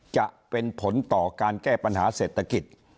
จะเป็นผลต่อการแก้ปัญหาเศรษฐกิจ